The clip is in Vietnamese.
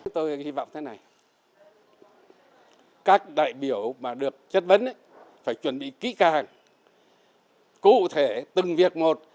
tôi hy vọng thế này các đại biểu mà được chất vấn phải chuẩn bị kỹ càng cụ thể từng việc một